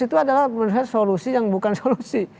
itu adalah menurut saya solusi yang bukan solusi